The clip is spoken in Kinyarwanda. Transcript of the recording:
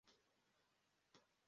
Imbwa igice cya kabiri mu mwobo